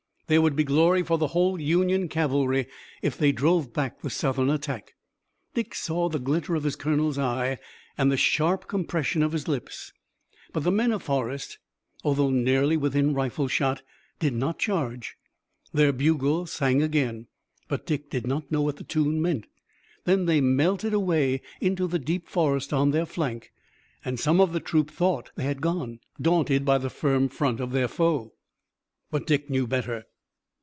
There would be glory for the whole Union cavalry if they drove back the Southern attack. Dick saw the glitter of his colonel's eye and the sharp compression of his lips. But the men of Forrest, although nearly within rifle shot, did not charge. Their bugle sang again, but Dick did not know what the tune meant. Then they melted away into the deep forest on their flank, and some of the troop thought they had gone, daunted by the firm front of their foe. But Dick knew better.